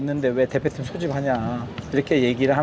setelah liga berlangsung saya juga mengatakan